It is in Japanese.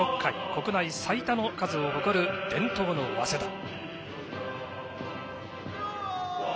国内最多の数を誇る伝統の早稲田。